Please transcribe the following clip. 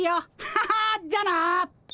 ハハじゃあな。